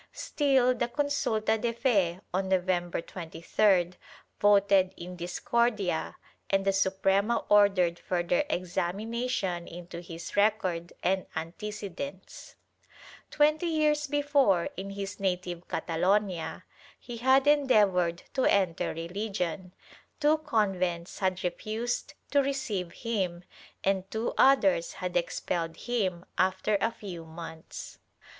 Still the consulta de fe, on November 23d, voted in discordia and the Suprema ordered further examination into his record and antecedents. Twenty years before, in his native Catalonia, he had endeavored to enter religion; two convents had refused to receive him and two ' Pegna, loc. cit. Chap. Vni] THE DEFENCE— INSANITY 61 others had expelled him after a few months.